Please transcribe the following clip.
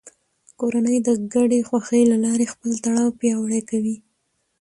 کورنۍ د ګډې خوښۍ له لارې خپل تړاو پیاوړی کوي